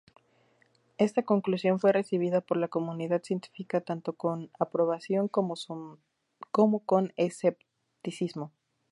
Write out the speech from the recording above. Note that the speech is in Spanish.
Esta conclusión fue recibida por la comunidad científica tanto con aprobación como con escepticismo.